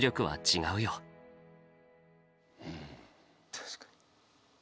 確かに。